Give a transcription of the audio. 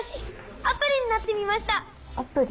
アプリになってみましたアプリ？